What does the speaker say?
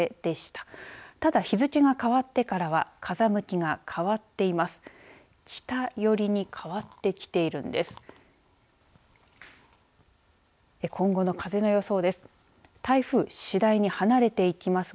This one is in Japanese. ただ、日付が変わってからは風向きが変わっています。